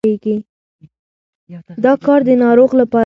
دا کار د ناروغ لپاره دی.